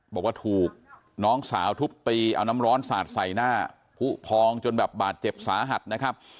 บอกว่าถูกน้องสาวทุบตีเอาน้ำร้อนสาดใส่หน้าผู้พองจนแบบบาดเจ็บสาหัสนะครับ